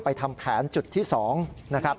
ทำแผนจุดที่๒นะครับ